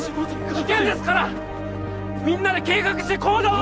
危険ですからみんなで計画して行動を！